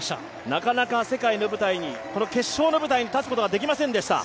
なかなか世界の舞台に、決勝の舞台に立つことができませんでした。